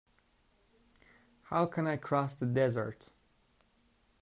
How can I cross the desert?